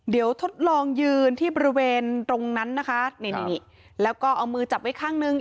เดี๋ยวทดลองยืนที่บริเวณตรงนั้นนะคะนี่นี่แล้วก็เอามือจับไว้ข้างนึง